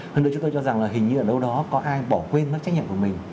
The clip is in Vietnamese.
hơn nữa chúng tôi cho rằng là hình như ở đâu đó có ai bỏ quên mất trách nhiệm của mình